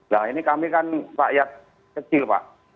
nah ini kami kan rakyat kecil pak